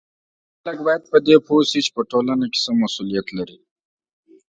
خلک باید په دې پوه سي چې په ټولنه کې څه مسولیت لري